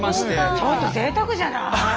ちょっとぜいたくじゃない？